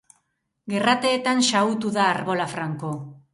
Gerrateetan xahutu da arbola franko.